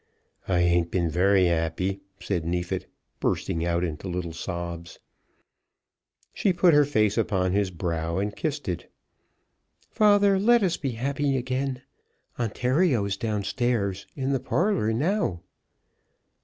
"I ain't been very 'appy," said Neefit, bursting out into sobs. She put her face upon his brow and kissed it. "Father, let us be happy again. Ontario is down stairs, in the parlour now."